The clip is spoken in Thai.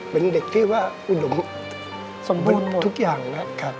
เป็นเด็กที่ว่าอุดมสมบูรณ์หมดทุกอย่างนะครับ